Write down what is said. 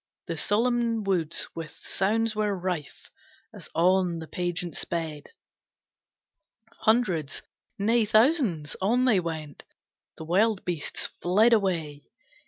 The solemn woods with sounds were rife As on the pageant sped. Hundreds, nay thousands, on they went! The wild beasts fled away!